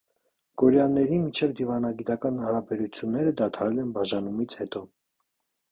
Կորեաների միջև դիվանագիտական հարաբերությունները դադարել են բաժանումից հետո։